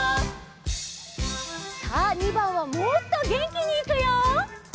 さあ２ばんはもっとげんきにいくよ！